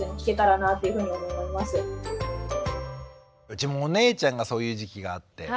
うちもお姉ちゃんがそういう時期があって。